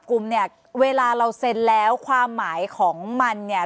กลุ่มเนี่ยเวลาเราเซ็นแล้วความหมายของมันเนี่ย